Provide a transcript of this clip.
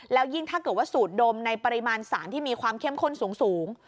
แล้วยิ่งถ้าเกิดว่าสูดดมในปริมาณสารที่มีความเข้มข้นสูง